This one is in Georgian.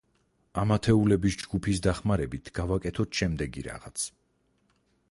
ამ ათეულების ჯგუფის დახმარებით გავაკეთოთ შემდეგი რაღაც.